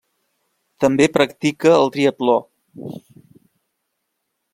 També practica el triatló.